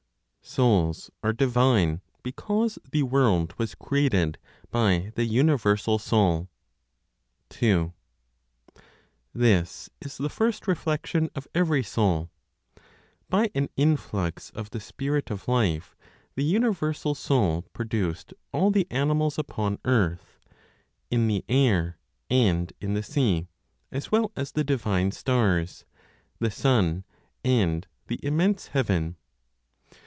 SOULS ARE DIVINE BECAUSE THE WORLD WAS CREATED BY THE UNIVERSAL SOUL. 2. This is the first reflection of every soul. By an influx of the spirit of life, the universal Soul produced all the animals upon earth, in the air and in the sea, as well as the divine stars, the sun, and the immense heaven.